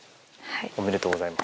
おめでとうございます。